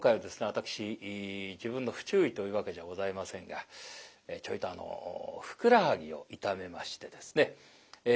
私自分の不注意というわけじゃございませんがちょいとあのふくらはぎを痛めましてですね